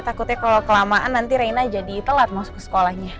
takutnya kalau kelamaan nanti reina jadi telat masuk ke sekolahnya